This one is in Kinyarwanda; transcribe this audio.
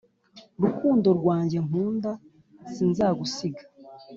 Rukundo rwanjye nkunda sinzagusiga